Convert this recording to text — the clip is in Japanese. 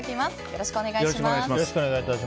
よろしくお願いします。